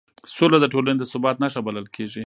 سوله د ټولنې د ثبات نښه بلل کېږي